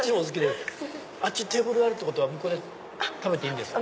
あっちテーブルあるってことは向こうで食べていいんですか？